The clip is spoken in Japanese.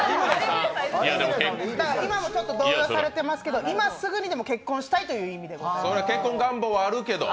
今も動揺されてますけど、今すぐにでも結婚したいという意味でございます。